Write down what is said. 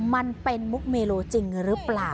มันเป็นมุกเมโลจริงหรือเปล่า